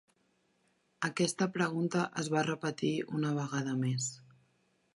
Aquesta pregunta es va repetir una vegada més.